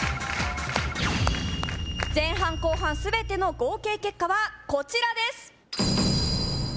前半後半全ての合計結果はこちらです